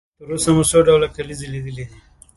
تر اوسه مو څو ډوله کلیزې لیدلې دي؟